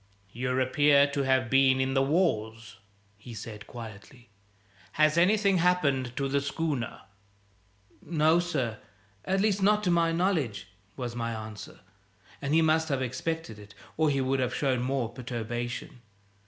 "You appear to have been in the wars," he said quietly. "Has anything happened to the schooner?" "No, sir; at least not to my knowledge," was my answer; and he must have; expected it, or he would have shown more perturbation.